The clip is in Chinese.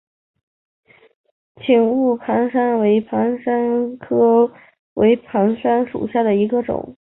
笏形蕈珊瑚为蕈珊瑚科蕈珊瑚属下的一个种。